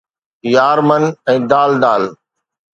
يار من ۽ دال دال